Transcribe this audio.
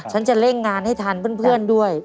ฉันจะเร่งงานให้ทันเพื่อนด้วย